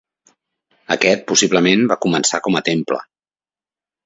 Aquest possiblement va començar com a temple.